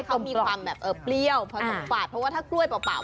อ่ามันจะได้กลมปลอด